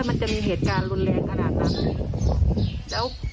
มันจะมีเหตุการณ์รุนแรงขนาดนั้น